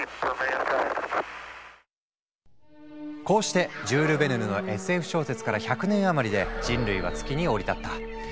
こうしてジュール・ヴェルヌのＳＦ小説から１００年余りで人類は月に降り立った。